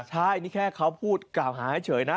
ใช่นี่แค่เขาพูดกล่าวหาให้เฉยนะ